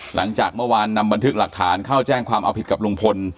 หลังจากเมื่อวานนำบันทึกหลักฐานเข้าแจ้งความเอาผิดกับลุงพล